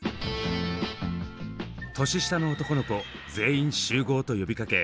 「年下の男の子全員集合！」と呼びかけ